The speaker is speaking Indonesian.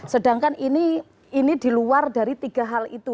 sedangkan ini ini diluar dari tiga hal itu